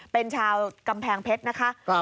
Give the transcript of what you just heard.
เป็นชาวกำแพงเพชรนะคะ